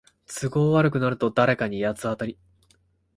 都合悪くなると誰かに八つ当たり